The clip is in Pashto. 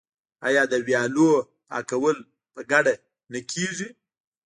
آیا د ویالو پاکول په ګډه نه کیږي؟